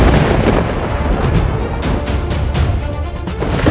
dan saya akan menyerah